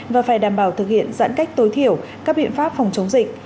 và phải đảm bảo thực hiện giãn cách tối thiểu các biện pháp phòng chống dịch